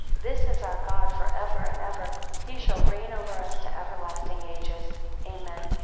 This is our God for ever and ever; he shall reign over us to everlasting ages. Amen.